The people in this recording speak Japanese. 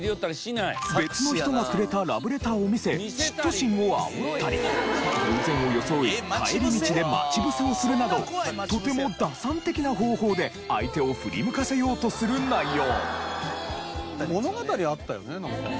別の人がくれたラブレターを見せ嫉妬心をあおったり偶然を装い帰り道で待ち伏せをするなどとても打算的な方法で相手を振り向かせようとする内容。